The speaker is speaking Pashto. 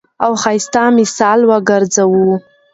او ښايست مثال وګرځوو.